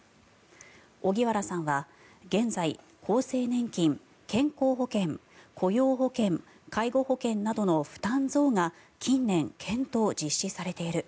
荻原さんは現在、厚生年金、健康保険雇用保険、介護保険などの負担増が近年、検討・実施されている。